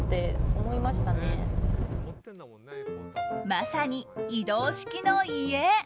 まさに移動式の家。